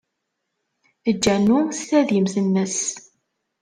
Eǧǧ anu s tadimt-nnes.